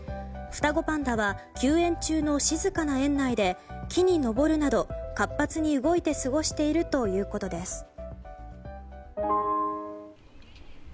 双子パンダは休園中の静かな園内で木に登るなど活発に動いて過ごしているということです。